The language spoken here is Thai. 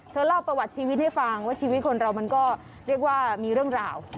เล่าประวัติชีวิตให้ฟังว่าชีวิตคนเรามันก็เรียกว่ามีเรื่องราว